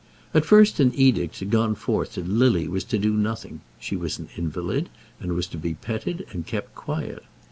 At first an edict had gone forth that Lily was to do nothing. She was an invalid, and was to be petted and kept quiet.